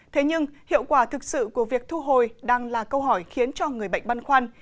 thế nhưng hiệu quả thực sự của việc thu hồi đang là câu hỏi khiến cho người bệnh băn khoăn